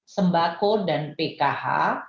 sembako dan pkh